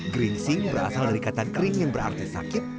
geringsing berasal dari kata kering yang berarti sakit